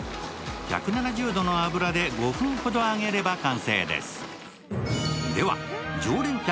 １７０度の油で５分ほど揚げれば完成です。